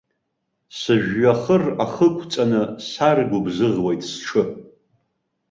Сыжәҩахыр ахы ықәҵаны саргәыбзыӷуеит сҽы.